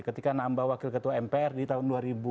ketika nambah wakil ketua mpr di tahun dua ribu dua